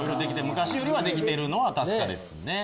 昔よりできてるのは確かですね。